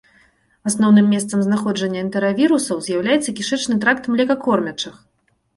Асноўным месцам знаходжання энтэравірусаў з'яўляецца кішэчны тракт млекакормячых.